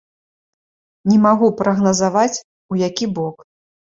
Не магу прагназаваць, у які бок.